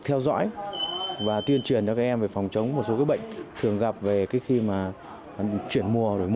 hãy cắt thử thách điểm như những con thân